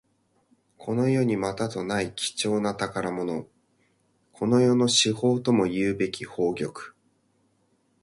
この世にまたとない貴重な宝物。この世の至宝ともいうべき宝玉。